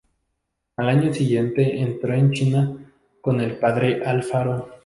Al año siguiente entró en China con el padre Alfaro.